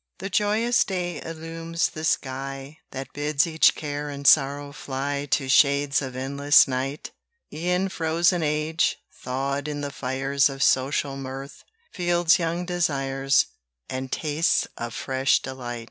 The joyous day illumes the sky That bids each care and sorrow fly To shades of endless night: E'en frozen age, thawed in the fires Of social mirth, feels young desires, And tastes of fresh delight.